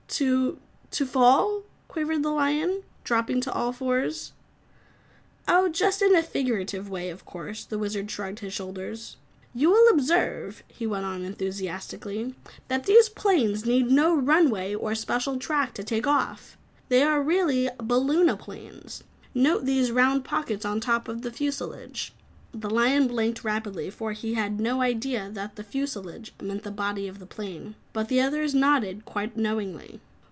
"To to fall?" quavered the lion, dropping to all fours. "Oh, just in a figurative way, of course." The Wizard shrugged his shoulders. "You will observe," he went on enthusiastically, "that these planes need no runway or special track to take off. They really are balloonaplanes. Note those round packets on the top of the fusilage." The lion blinked rapidly, for he had no idea that fusilage meant the body of the plane, but the others nodded quite knowingly.